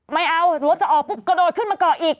ไม่เอาสมมุติจะออกปุ๊บกระโดดขึ้นมาเกาะอีก